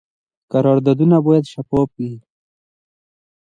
قراردادونه باید شفاف وي